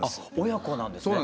親子なんですね。